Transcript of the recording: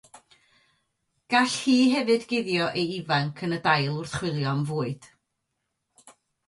Gall hi hefyd guddio ei ifanc yn y dail wrth chwilio am fwyd.